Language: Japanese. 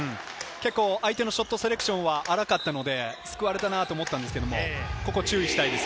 相手のショットセレクションは荒かったので救われたなと思ったんですが、ここ注意したいです。